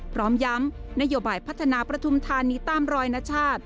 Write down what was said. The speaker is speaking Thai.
พร้อมย้ำนโยบายพัฒนาประทุมธานีตามรอยนชาติ